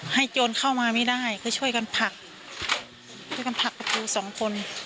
ให้โจรเข้ามาไม่ได้ก็ช่วยกันผลักประตู๒คน